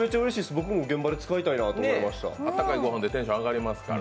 僕も現場で使いたいなと思いました。